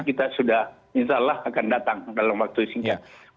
kita sudah insya allah akan datang dalam waktu singkat